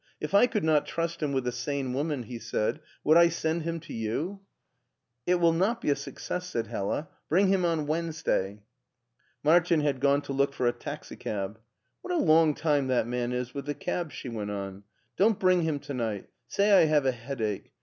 " If I could not trust him with a sane woman," he said, " would I send him to you ?"" It will not be a success," said Hella ;" bring him on Wednesday." Martin had gone to look for a taxicab. " What a long time that man is with the cab," she went on. " Don't bring him to night ; say I have a headache.